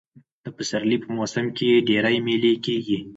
د پسرلي په موسم کښي ډېرئ مېلې کېږي.